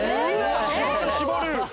絞る絞る！